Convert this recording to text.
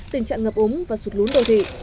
tình trạng ngập úng và sụt lún đô thị